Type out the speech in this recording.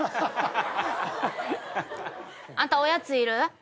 あんたおやついる？